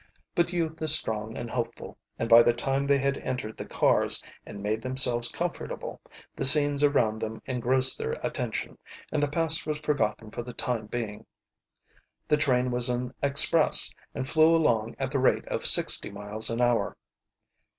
But youth is strong and hopeful, and by the time they had entered the cars and made themselves comfortable the scenes around them engrossed their attention, and the past was forgotten for the time being. The train was an express, and flew along at the rate of sixty miles an hour.